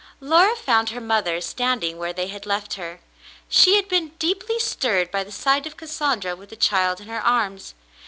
Laura found her mother standing where they had left her. She had been deeply stirred by the sight of Cassandra with the child in her arms.